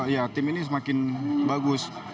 ya tim ini semakin bagus